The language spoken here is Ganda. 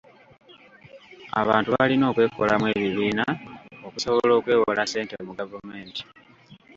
Abantu balina okwekolamu ebibiina okusobola okwewola ssente mu gavumenti.